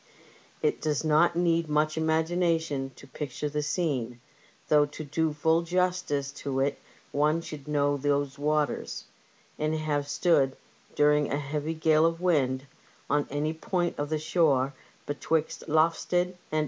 It does not need much imagination to picture the scene, though to do full justice to it one should know those waters, and have stood, during a heavy gale of wind, on any point of the shore betwixt Lowestoft and 166 LIFEBOATS AND TEEIB CREWS.